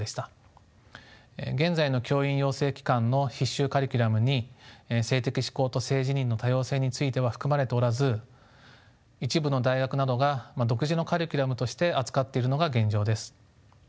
現在の教員養成機関の必修カリキュラムに性的指向と性自認の多様性については含まれておらず一部の大学などが独自のカリキュラムとして扱っているのが現状です。